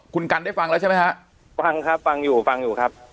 คุณกันได้ฟังแล้วใช่ไหมฮะฟังครับฟังอยู่ฟังอยู่ครับ